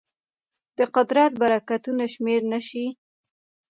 د قدرت برکتونه شمېرل نهشي.